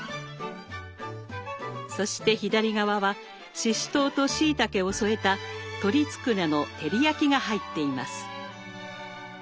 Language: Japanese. そして左側はししとうとしいたけを添えた鶏つくねの照り焼きが入っています。